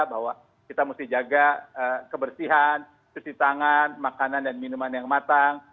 bahwa kita mesti jaga kebersihan cuci tangan makanan dan minuman yang matang